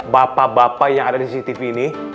bapak bapak yang ada di cctv ini